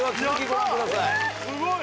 すごい！